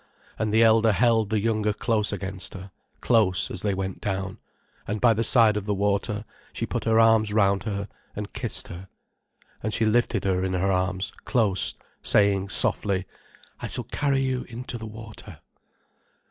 And the elder held the younger close against her, close, as they went down, and by the side of the water, she put her arms round her, and kissed her. And she lifted her in her arms, close, saying, softly: "I shall carry you into the water."